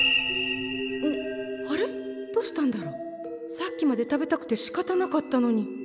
さっきまで食べたくてしかたなかったのに。